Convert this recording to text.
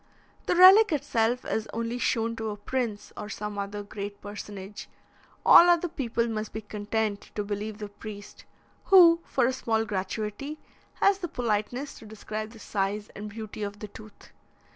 The relic itself is only shown to a prince or some other great personage; all other people must be content to believe the priest, who, for a small gratuity, has the politeness to describe the size and beauty of the tooth.